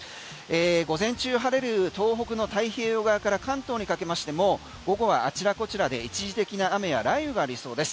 午前中は晴れる東北の太平洋側から関東にかけましても午後はあちらこちらで一時的な雨や雷雨がありそうです。